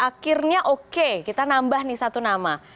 akhirnya oke kita nambah nih satu nama